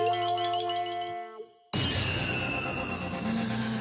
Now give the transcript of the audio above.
ああ。